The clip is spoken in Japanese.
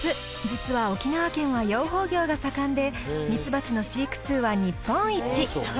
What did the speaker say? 実は沖縄県は養蜂業が盛んでミツバチの飼育数は日本一。